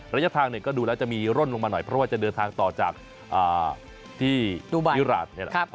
ระยะทางก็ดูแล้วจะมีร่นลงมาหน่อยเพราะว่าจะเดินทางต่อจากที่มิราชนี่แหละ